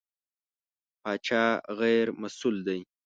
پاچا غېر مسوول دی.